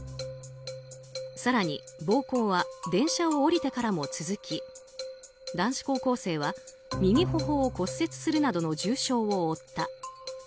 更に、暴行は電車を降りてからも続き男子高校生は右頬を骨折するなどの重傷を負った。